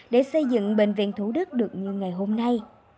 để xây dựng bệnh viện thủ đức được như ngày hôm nay